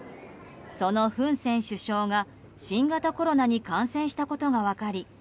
そのフン・セン首相が新型コロナに感染したことが分かり